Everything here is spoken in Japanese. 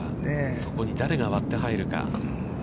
そこに誰が割って入るか。